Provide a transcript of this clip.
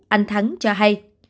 anh thắng cho hay